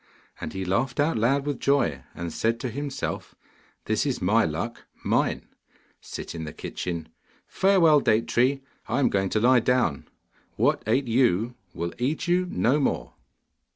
And he laughed out loud with joy, and said to himself, 'This is MY luck, mine, Sit in the kitchen! Farewell, date tree, I am going to lie down. What ate you will eat you no more.